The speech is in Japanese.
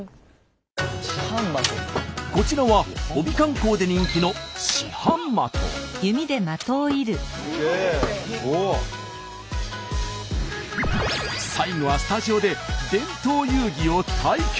こちらは飫肥観光で人気の最後はスタジオで伝統遊戯を体験。